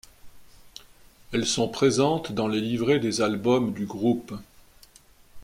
Elles sont présentes dans les livrets des albums du groupe.